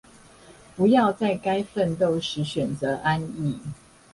不要在該奮鬥時選擇安逸